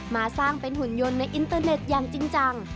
มาสร้างเป็นหุ่นยนต์ในอินเตอร์เน็ตอย่างจริงจัง